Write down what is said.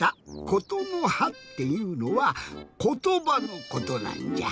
「ことのは」っていうのは「ことば」のことなんじゃ。